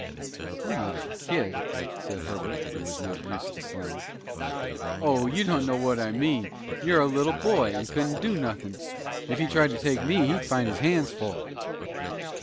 "I'm not a kid," said Herbert, who was not used to slang. "Oh, you don't know what I mean you're a little boy and couldn't do nothin'. If he tried to take me, he'd find his hands full."